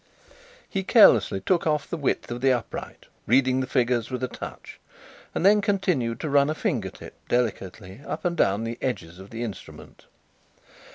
He carelessly took off the width of the upright, reading the figures with a touch; and then continued to run a finger tip delicately up and down the edges of the instrument.